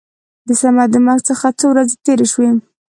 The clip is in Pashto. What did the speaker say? د صمد د مرګ څخه څو ورځې تېرې شوې.